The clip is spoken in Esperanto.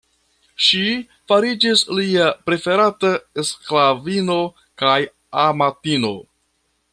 Ŝi fariĝis lia preferata sklavino kaj amatino.